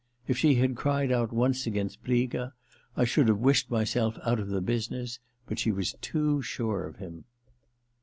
If she had cried out once against Briga I should have wished myself out of the business ; but she was too sure of him.